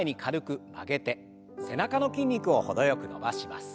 背中の筋肉をほどよく伸ばします。